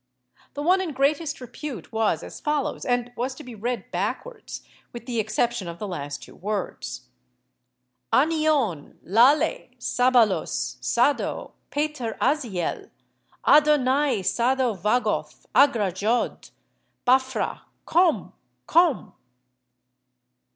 The one in greatest repute was as follows, and was to be read backwards, with the exception of the last two words: "Anion, Lalle, Sabolos, Sado, Pater, Aziel Adonai Sado Vagoth Agra, Jod, Baphra! Komm! Komm!"